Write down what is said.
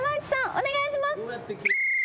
お願いします。